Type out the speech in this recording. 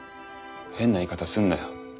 変な言い方すんなよ。